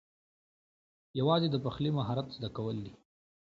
یوازې د پخلي مهارت زده کول دي